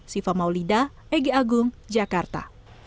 siva maulida egy agung jakarta